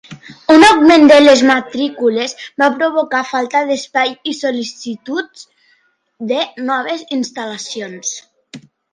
Un augment de les matrícules va provocar falta d'espai i sol·licituds de noves instal·lacions.